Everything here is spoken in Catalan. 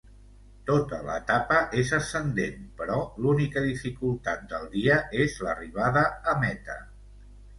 Tota l'etapa és ascendent, però l'única dificultat del dia és l'arribada a meta.